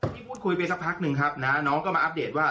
พูดคุยไปสักพักหนึ่งครับนะน้องก็มาอัปเดตว่า